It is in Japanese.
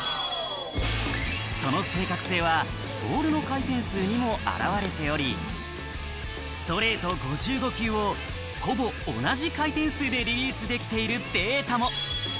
その正確性はボールの回転数にも表れており、ストレート５５球をほぼ同じ回転数でリリースできているデータも。